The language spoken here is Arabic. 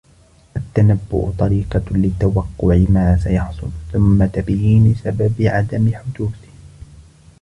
التنبؤ طريقة لتوقع ما سيحصل ، ثم تبيين سبب عدم حدوثه.